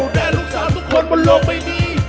แดดลูกสาวทุกคนบนโลกไม่มี